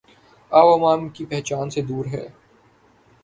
عام عوام کی پہنچ سے دور ہے